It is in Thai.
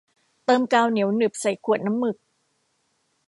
เติมกาวเหนียวหนึบใส่ขวดน้ำหมึก